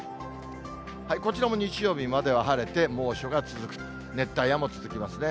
こちらも日曜日までは晴れて猛暑が続くと、熱帯夜も続きますね。